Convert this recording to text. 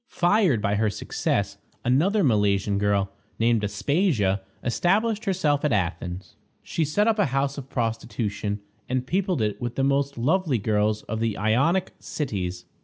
Fired by her success, another Milesian girl, named Aspasia, established herself at Athens. She set up a house of prostitution, and peopled it with the most lovely girls of the Ionic cities.